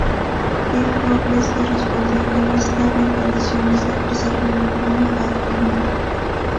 Gil-Robles le respondió que no estaba en condiciones de ofrecerle ninguna acta más.